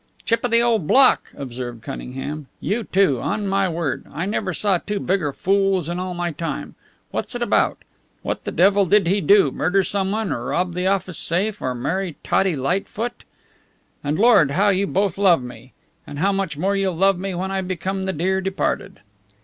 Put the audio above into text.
"Chip of the old block!" observed Cunningham. "You two! On my word, I never saw two bigger fools in all my time! What's it about? What the devil did he do murder someone, rob the office safe, or marry Tottie Lightfoot? And Lord, how you both love me! And how much more you'll love me when I become the dear departed!"